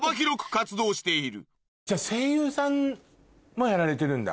声優さんもやられてるんだ？